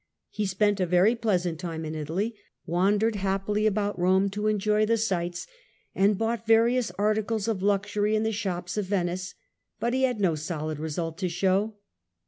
He spent a very plesant time in Italy, wandered happily about Eome to enjoy the sights, and bought various articles of luxury in the shops of Venice ; but he had no solid result to show.